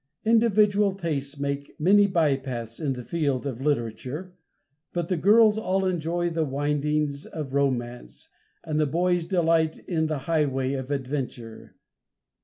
Individual tastes make many by paths in the field of literature, but the girls all enjoy the windings of romance, and the boys delight in the highway of adventure.